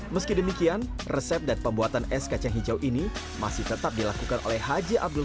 meski demikian resep dan pembuatan es kacang hijau ini masih tetap dilakukan oleh haji abdul